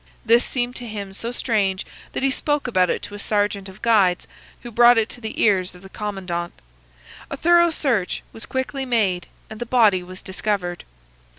This seemed to him so strange that he spoke about it to a sergeant of guides, who brought it to the ears of the commandant. A thorough search was quickly made, and the body was discovered.